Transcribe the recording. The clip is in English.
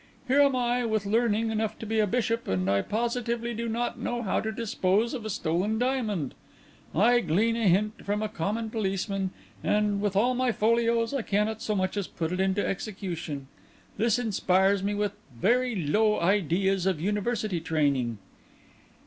Here am I, with learning enough to be a Bishop, and I positively do not know how to dispose of a stolen diamond. I glean a hint from a common policeman, and, with all my folios, I cannot so much as put it into execution. This inspires me with very low ideas of University training."